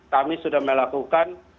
kami sudah melakukan